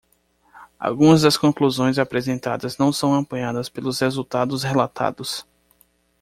Algumas das conclusões apresentadas não são apoiadas pelos resultados relatados.